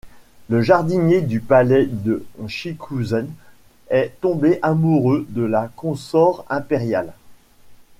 Le jardinier du palais de Chikuzen est tombé amoureux de la consort impériale.